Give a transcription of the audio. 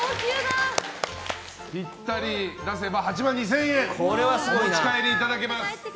ピッタリ出せば８万２０００円お持ち帰りいただけます。